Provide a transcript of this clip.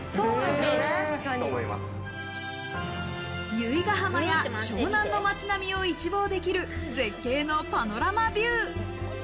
由比ヶ浜や湘南の街並みを一望できる絶景のパノラマビュー。